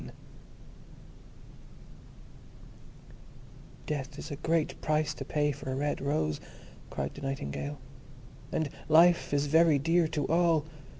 "Death is a great price to pay for a red rose," cried the Nightingale, "and Life is very dear to all.